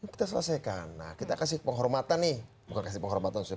kita selesaikan nah kita kasih penghormatan nih bukan kasih penghormatan